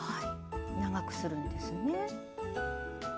長くするんですね。